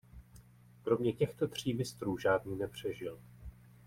Kromě těchto tří mistrů žádný nepřežil.